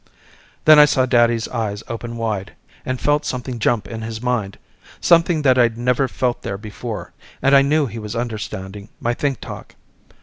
Then I saw daddy's eyes open wide, and felt something jump in his mind, something that I'd never felt there before and I knew he was understanding my think talk.